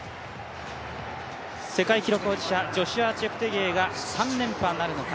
世界記録保持者、ジョシュア・チェプテゲイが３連覇なるのか。